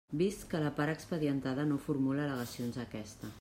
Vist que la part expedientada no formula al·legacions a aquesta.